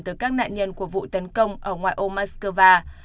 từ các nạn nhân của vụ tấn công ở ngoài ô moskova